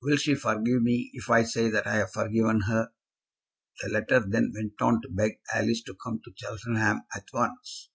Will she forgive me if I say that I have forgiven her?" The letter then went on to beg Alice to come to Cheltenham at once.